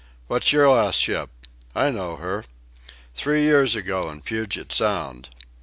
What's your last ship?... I know her.... Three years ago, in Puget Sound....